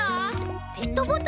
ペットボトルだ。